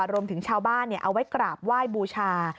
รวมถึงชาวบ้านเอาไว้กราบไหว้บูชา